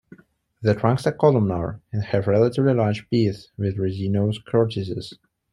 The trunks are columnar and have relatively large piths with resinous cortices.